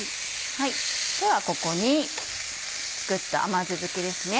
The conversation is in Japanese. ではここに作った甘酢漬けですね。